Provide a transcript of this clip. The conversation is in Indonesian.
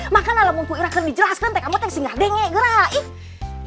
makan lah mungku irah kan dijelaskan teh kamu teh singa dengek gerak